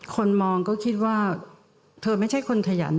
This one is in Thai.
คนมองก็คิดว่าเธอไม่ใช่คนขยัน